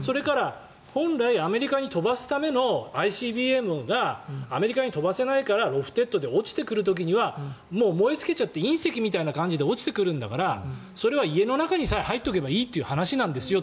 本来、アメリカに飛ばすためのＩＣＢＭがアメリカに飛ばせないからロフテッドで落ちてくる時にはもう燃え尽きちゃって隕石みたいな感じで落ちてくるんだからそれは家の中にさえ入っていればいいんですよと。